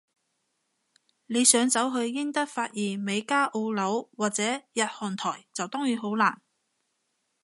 你想走去英德法意美加澳紐，或者日韓台，就當然好難